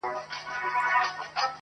شپه وه تېره شوه په ويښه په خندلو